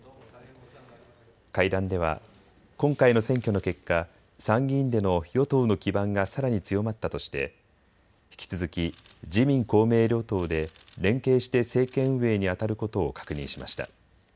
会談では今回の選挙の結果、参議院での与党の基盤がさらに強まったとして、引き続き自民公明両党で連携して政権運営にあたることを確認しました。